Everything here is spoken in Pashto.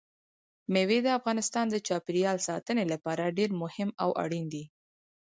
مېوې د افغانستان د چاپیریال ساتنې لپاره ډېر مهم او اړین دي.